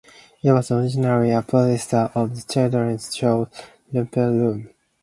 It was originally a producer of the children's show "Romper Room".